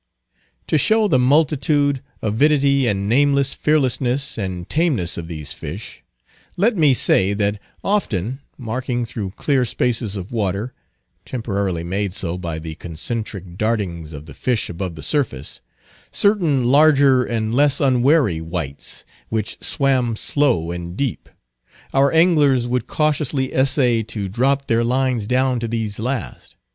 To show the multitude, avidity, and nameless fearlessness and tameness of these fish, let me say, that often, marking through clear spaces of water—temporarily made so by the concentric dartings of the fish above the surface—certain larger and less unwary wights, which swam slow and deep; our anglers would cautiously essay to drop their lines down to these last.